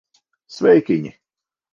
Sveikiņi!